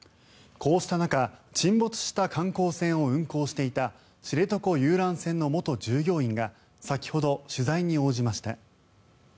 こうした中沈没した観光船を運航していた知床遊覧船の元従業員が先ほど、取材に応じました。